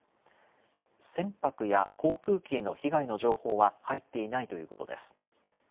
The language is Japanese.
船舶や航空機への被害の情報は入っていないということです。